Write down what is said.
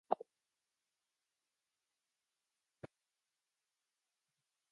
He was also the President of Hubei Social Organization General Chamber of Commerce.